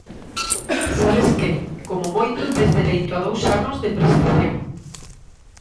Sabes que, como moito, tes dereito a dous anos de prestación.